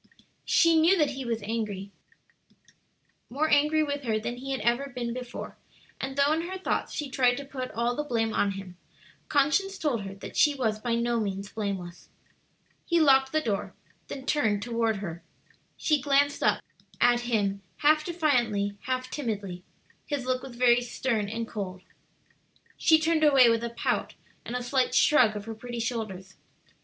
She knew that he was angry, more angry with her than he had ever been before, and though in her thoughts she tried to put all the blame on him, conscience told her that she was by no means blameless. He locked the door, then turned toward her. She glanced up at him half defiantly, half timidly. His look was very stern and cold. She turned away with a pout and a slight shrug of her pretty shoulders.